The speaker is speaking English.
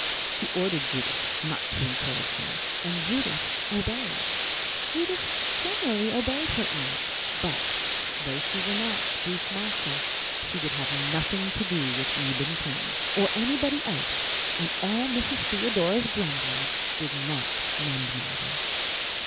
She ordered Judith not to encourage him and Judith obeyed. Judith generally obeyed her aunt; but, though she renounced Bruce Marshall, she would have nothing to do with Eben King or anybody else and all Mrs. Theodora's grumblings did not mend matters.